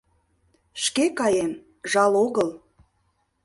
Шке каем, жал огыл